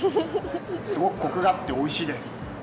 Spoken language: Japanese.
すごくこくがあっておいしいです。